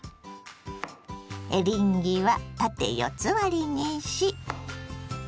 エリンギは縦四つ割りにし。